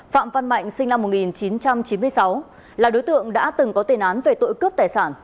phạm văn mạnh sinh năm một nghìn chín trăm chín mươi sáu là đối tượng đã từng có tên án về tội cướp tài sản